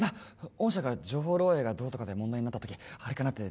御社が情報漏えいがどうとかで問題になった時あれかなって